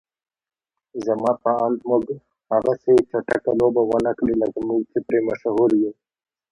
زما په اند موږ هغسې چټکه لوبه ونکړه لکه موږ چې پرې مشهور يو.